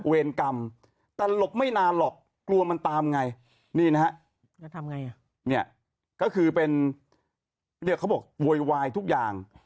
เวรกรรมแต่หลบไม่นานหรอกกลัวมันตามไงนี่นะฮะก็คือเป็นเขาบอกโวยวายทุกอย่าง